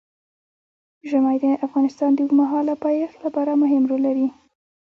ژمی د افغانستان د اوږدمهاله پایښت لپاره مهم رول لري.